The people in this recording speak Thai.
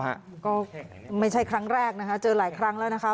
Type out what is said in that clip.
ก็ไม่ใช่ครั้งแรกนะคะเจอหลายครั้งแล้วนะคะ